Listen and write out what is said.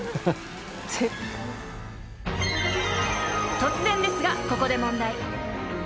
［突然ですがここで問題］